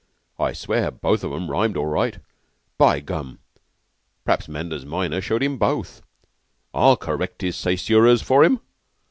I swear both of 'em rhymed all right. By gum! P'raps Manders minor showed him both! I'll correct his caesuras for him."